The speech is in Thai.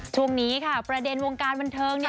ช่วงนี้ประเด็นวงการบันเทิง